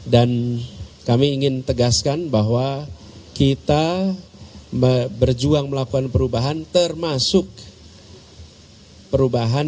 dan kami ingin tegaskan bahwa kita berjuang melakukan perubahan termasuk perubahan